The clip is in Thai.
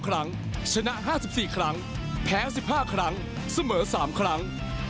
ครั้งชนะ๕๔ครั้งแพ้๑๕ครั้งเสมอ๓ครั้ง